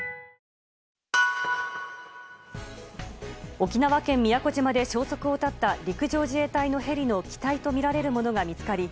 沖縄県宮古島で消息を絶った陸上自衛隊のヘリの機体とみられるものが見つかり